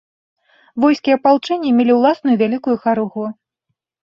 Войскі апалчэння мелі ўласную вялікую харугву.